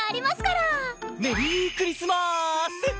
メリークリスマース！